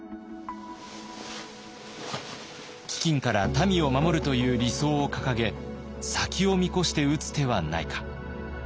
飢饉から民を守るという理想を掲げ先を見越して打つ手はないか。